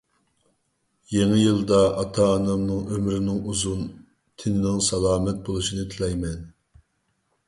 يېڭى يىلدا ئاتا-ئانامنىڭ ئۆمرىنىڭ ئۇزۇن، تېنىنىڭ سالامەت بولۇشىنى تىلەيمەن.